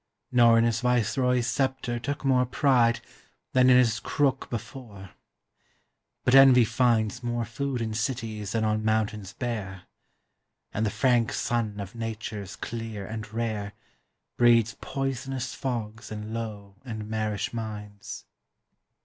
Nor in his viceroy's scepter took more pride Than in his crook before ; but envy finds More food in cities than on mountains bare; And the frank sun of natures clear and rare Breeds poisonous fogs in low and marish minds.